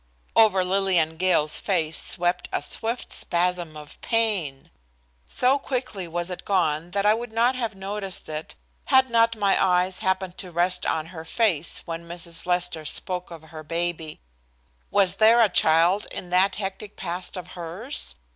Over Lillian Gale's face swept a swift spasm of pain. So quickly was it gone that I would not have noticed it, had not my eyes happened to rest on her face when Mrs. Lester spoke of her baby. Was there a child in that hectic past of hers?